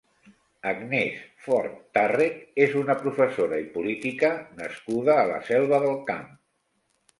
Agnès Fort Tàrrech és una professora i política nascuda a la Selva del Camp.